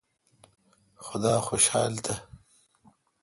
خدا خوشال تہ۔